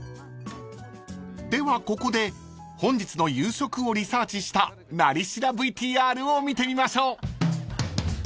［ではここで本日の夕食をリサーチした「なり調」ＶＴＲを見てみましょう］